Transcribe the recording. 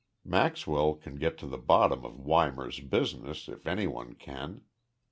Maxwell can get to the bottom of Weimar's business, if anyone can.